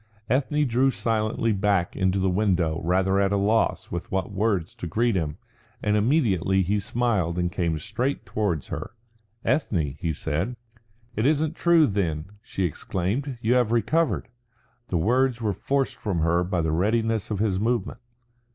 Ethne drew silently back into the window rather at a loss with what words to greet him, and immediately he smiled and came straight towards her. "Ethne," he said. "It isn't true, then," she exclaimed. "You have recovered." The words were forced from her by the readiness of his movement.